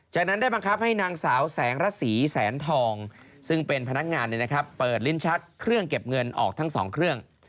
จากนั้นได้บังคับให้นางสาวแสงระสีแสนทองซึ่งเป็นพนักงานเปิดลิ้นชักเครื่องเก็บเงินออกทั้ง๒เครื่อง